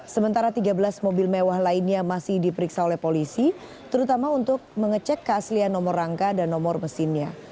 sementara tiga belas mobil mewah lainnya masih diperiksa oleh polisi terutama untuk mengecek keaslian nomor rangka dan nomor mesinnya